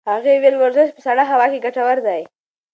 هغې وویل ورزش په سړه هوا کې ګټور دی.